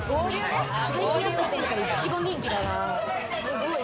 最近会った人の中で、一番元気だな。